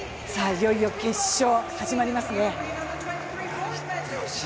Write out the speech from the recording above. いよいよ決勝、始まりますね